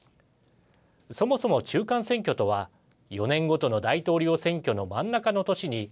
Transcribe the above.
そもそも中間選挙とは４年ごとの大統領選挙の真ん中の年に。